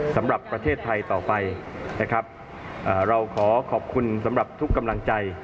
สำหรับประเทศไทยต่อไปนะครับเราขอขอบคุณสำหรับทุกกำลังใจ